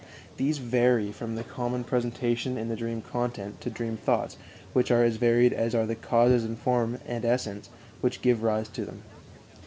These vary from the common presentation in the dream content to dream thoughts which are as varied as are the causes in form and essence which give rise to them.